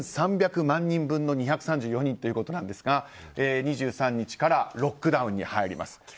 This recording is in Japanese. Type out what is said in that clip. １３００万人分の２３４人ということですが２３日からロックダウンに入ります。